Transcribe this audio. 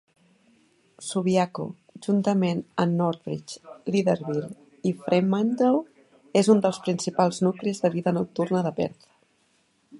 Subiaco, juntament amb Northbridge, Leederville i Fremantle, és un dels principals nuclis de vida nocturna de Perth.